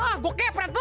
ah gue keperet lu